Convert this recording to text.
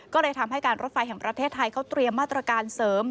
ก็เลยทำให้การรถไฟแห่งประเทศไทยเขาเตรียมมาตรการเสริม